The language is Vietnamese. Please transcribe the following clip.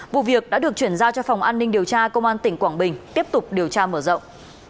vụ việc đã được chuyển giao cho phòng an ninh điều tra công an tỉnh quảng bình tiếp tục điều tra mở rộng